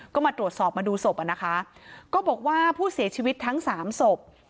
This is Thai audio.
ก็มาตรวจสอบมาดูศพอ่ะนะคะก็บอกว่าผู้เสียชีวิตทั้งสามศพ